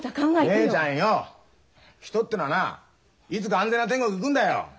姉ちゃんよう人ってのはないつか安全な天国行くんだよ。